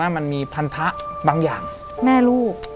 แต่ขอให้เรียนจบปริญญาตรีก่อน